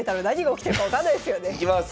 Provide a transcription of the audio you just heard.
いきます！